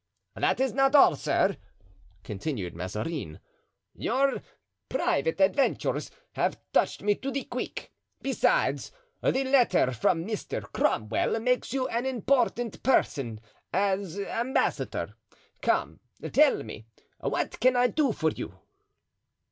"That is not all, sir," continued Mazarin; "your private adventures have touched me to the quick; besides, the letter from Mr. Cromwell makes you an important person as ambassador; come, tell me, what can I do for you?"